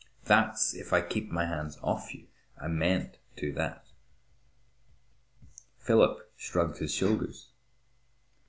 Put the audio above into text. That's if I keep my hands off you. I mayn't do that." Philip shrugged his shoulders.